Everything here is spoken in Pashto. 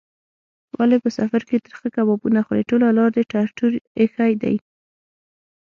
ولې په سفر کې ترخه کبابونه خورې؟ ټوله لار دې ټر ټور ایښی دی.